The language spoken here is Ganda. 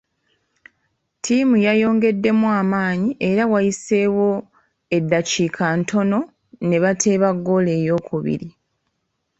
Ttiimu yayongeddemu amaanyi era waayiseewo eddakiika ntono n'eteeba ggoolo eyookubiri.